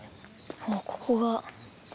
もうここが。